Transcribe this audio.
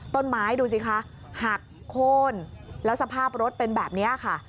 ต้นไม้ดูสิคะหักโค้นแล้วสภาพรถเป็นแบบนี้ค่ะ